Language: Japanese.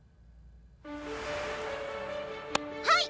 はい！